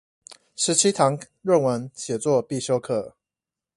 十七堂論文寫作必修課